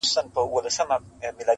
• سحر وختي بۀ يى قرضداري دروازه وهله..